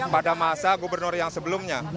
pada masa gubernur yang sebelumnya